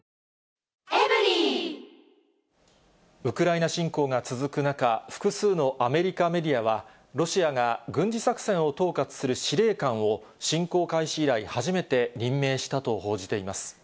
ウクライナ侵攻が続く中、複数のアメリカメディアは、ロシアが軍事作戦を統括する司令官を、侵攻開始以来初めて任命したと報じています。